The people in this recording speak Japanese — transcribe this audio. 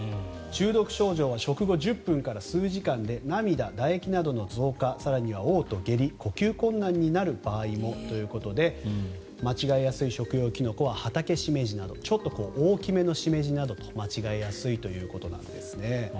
中毒症状は食後１０分から数時間で涙、だ液などの増加更にはおう吐、下痢呼吸困難になる場合もということで間違えやすい食用キノコはハタケシメジなどちょっと大きめのシメジなどと間違えやすいということなんです。